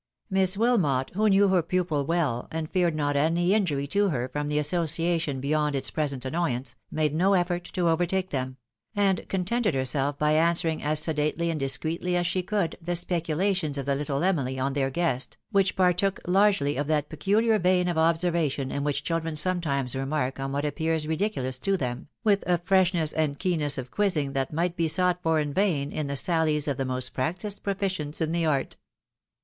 Miss Wilmot, who knew her pupil well, and feared not any SZa^:^ 'rn^'i/' /i.<i^MY ^<^^''■'■^' /^^^if' '^■^'■'''>■, 4!^ ^,2v^ MAETHA POSITIVELY SEES A LOKD. 119 injury to her from the association beyond its present annoyance, made no effort to overtake them; and contented herself by answering as sedately and discreetly as she could, the specu lations of the little EmUy on their guest, which partook largely of that peculiar vein of observation in wliich children sometimes remark on what appears ridiculous to them, with a freshness and keenness of quizzing that might be sought for in vain in the salUes of the most practised proficients in the art.